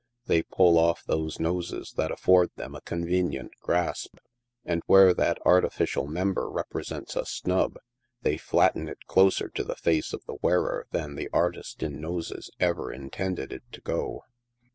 They pull off those noses that afford them a convenient grasp, and where that artificial member represents a snub, they flatten it closer to the face of the wearer than the artist in noses ever intended it to go.